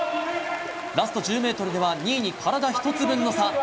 ラスト１０ｍでは２位に体１つ分の差。